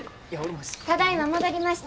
ただいま戻りました。